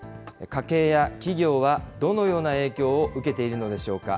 家計や企業はどのような影響を受けているのでしょうか。